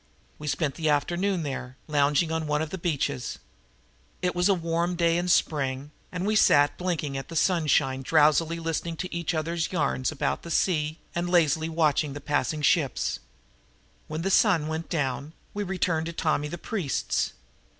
We spent the afternoon there, lounging on one of the benches. It was as warm as a day in Spring and we sat blinking in the sunshine drowsily listening to each other's yarns about the sea and lazily watching the passing ships. When the sun went down we returned to Tommy the Priest's.